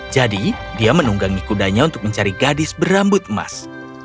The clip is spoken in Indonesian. jadi dia menunggangi kudanya untuk mencari gadis berambut emas